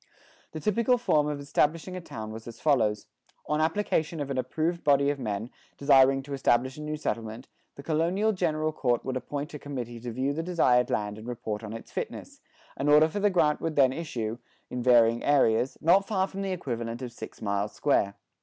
The typical form of establishing a town was as follows: On application of an approved body of men, desiring to establish a new settlement, the colonial General Court would appoint a committee to view the desired land and report on its fitness; an order for the grant would then issue, in varying areas, not far from the equivalent of six miles square.